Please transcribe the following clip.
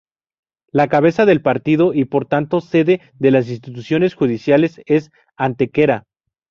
La cabeza de partido y por tanto sede de las instituciones judiciales es Antequera.